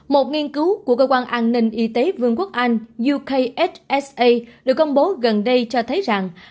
một nghiên cứu của cơ quan an ninh y tế vương quốc anh yuksa được công bố gần đây cho thấy rằng